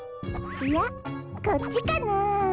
いやこっちかなあ。